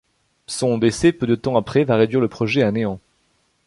Son décès peut de temps après va réduire le projet à néant.